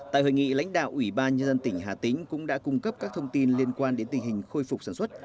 tại hội nghị lãnh đạo ủy ban nhân dân tỉnh hà tĩnh cũng đã cung cấp các thông tin liên quan đến tình hình khôi phục sản xuất